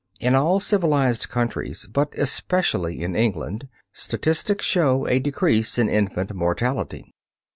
In all civilized countries, but especially in England, statistics show a decrease in infant mortality.